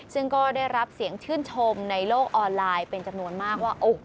ซึ่งก็ได้รับเสียงชื่นชมในโลกออนไลน์เป็นจำนวนมากว่า